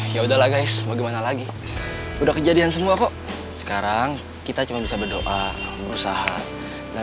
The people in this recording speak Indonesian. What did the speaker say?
ya udahlah guys bagaimana lagi udah kejadian semua kok sekarang kita cuma bisa berdoa berusaha nah